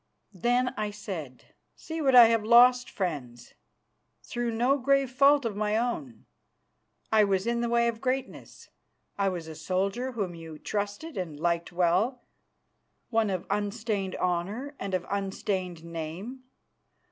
Then I said, "See what I have lost, friends, through no grave fault of my own. I was in the way of greatness. I was a soldier whom you trusted and liked well, one of unstained honour and of unstained name.